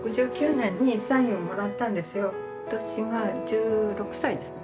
私が１６歳ですね。